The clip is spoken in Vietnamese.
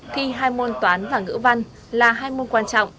thi hai môn toán và ngữ văn là hai môn quan trọng